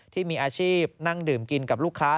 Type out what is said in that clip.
ที่มีอาชีพนั่งดื่มกินกับลูกค้า